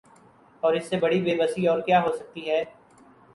اور اس سے بڑی بے بسی اور کیا ہو سکتی ہے